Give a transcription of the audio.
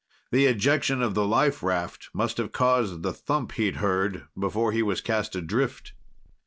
The ejection of the life raft must have caused the thump he'd heard before he was cast adrift.